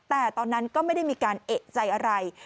แต่ตอนนั้นก็ไม่ได้มีการเอกใจอะไร